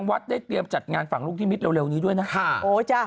วัดได้เตรียมตัดงานฝั่งลูกคริมมิตรเร็วนี้ด้วยนะ